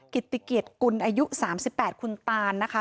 กิติเกียรติกุลอายุ๓๘คุณตานนะคะ